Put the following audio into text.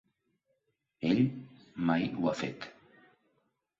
Ell mai ho ha fet.